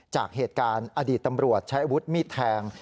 จากเหตุการณ์อดีตตำรวจใช้อาวุธมีดแทง